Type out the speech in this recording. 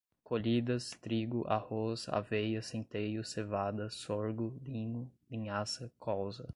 colhidas, trigo, arroz, aveia, centeio, cevada, sorgo, linho, linhaça, colza